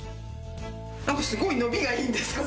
すごい伸びがいいんですこれ。